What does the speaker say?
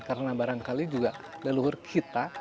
karena barangkali juga leluhur kita